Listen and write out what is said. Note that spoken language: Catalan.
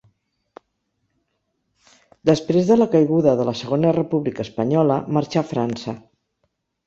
Després de la caiguda de la Segona República Espanyola marxà a França.